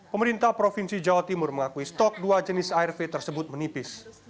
pemerintah provinsi jawa timur mengakui stok dua jenis arv tersebut menipis